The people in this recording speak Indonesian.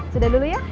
sudah dulu ya